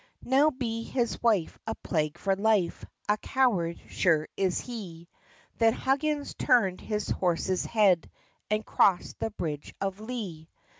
"Now, be his wife a plague for life! A coward sure is he": Then Huggins turned his horse's head, And crossed the bridge of Lea.